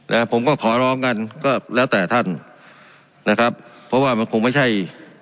นะผมก็ขอร้องกันก็แล้วแต่ท่านนะครับเพราะว่ามันคงไม่ใช่